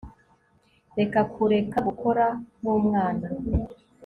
reka kureka gukora nk'umwana